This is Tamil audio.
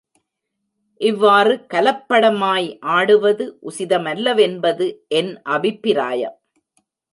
இவ்வாறு கலப்படமாய் ஆடுவது உசிதமல்லவென்பது என் அபிப்பிராயம்.